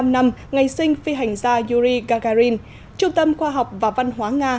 bảy mươi năm năm ngày sinh phi hành gia yuri gagarin trung tâm khoa học và văn hóa nga